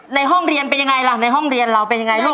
ในห้องเรียนเป็นยังไงล่ะในห้องเรียนเราเป็นยังไงลูก